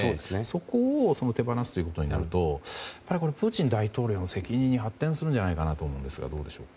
そこを手放すことになるとプーチン大統領の責任に発展するんじゃないかと思うんですが、どうでしょう。